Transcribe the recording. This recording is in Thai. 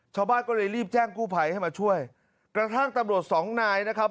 ชาวบ้านก็เลยรีบแจ้งกู้ภัยให้มาช่วยกระทั่งตำรวจสองนายนะครับ